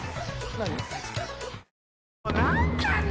何？